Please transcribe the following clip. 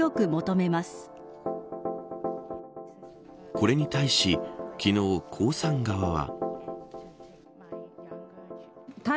これに対し昨日、江さん側は。